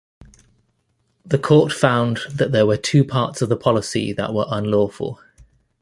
The court found that there were two parts of the policy that were unlawful.